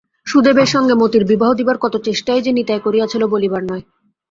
সুদেবের সঙ্গে মতির বিবাহ দিবার কত চেষ্টাই যে নিতাই করিয়াছিল বলিবার নয়।